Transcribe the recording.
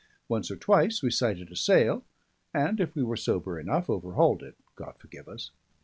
Once or twice we sighted a sail, and, if we were sober enough, overhauled it, God forgive us!